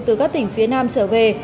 từ các tỉnh phía nam trở về